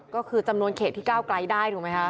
ก็คือจำนวนเขตที่ก้าวไกลได้ถูกไหมคะ